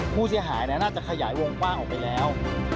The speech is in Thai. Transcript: ผู้เสียหายน่าจะขยายวงกว้างออกไปแล้ว